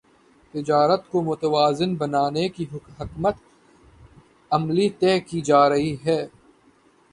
تجارت کو متوازن بنانے کی حکمت عملی طے کی جارہی ہے